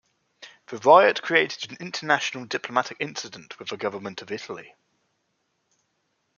The riot created an international diplomatic incident with the government of Italy.